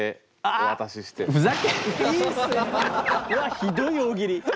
うわひどい大喜利。